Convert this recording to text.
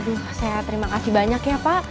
aduh saya terima kasih banyak ya pak